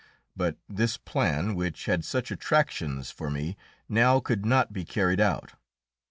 But this plan, which had such attractions for me, now could not be carried out.